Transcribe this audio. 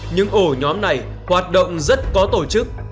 những ổ nhóm này hoạt động rất có tổ chức